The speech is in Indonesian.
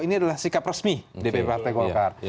ini adalah sikap resmi dpp partai golkar